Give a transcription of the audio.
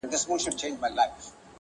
• او حتی ماشومان یې هم ورسره بېولي ول -